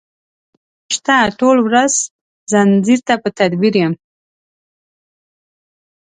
خدای شته ټوله ورځ ځنځیر ته په تدبیر یم